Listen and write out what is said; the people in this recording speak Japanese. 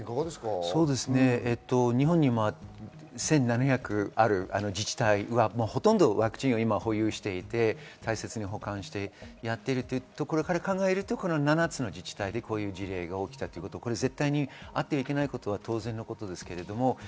日本には１７００ある自治体はほとんどワクチンを保有していて、大切に保管してやっているというところから考えると７つの自治体でこういう事例が起きたことはあってはいけないことは当然です。